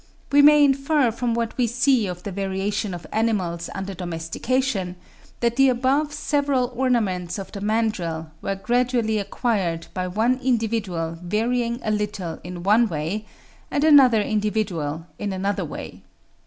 We may infer from what we see of the variation of animals under domestication, that the above several ornaments of the mandrill were gradually acquired by one individual varying a little in one way, and another individual in another way.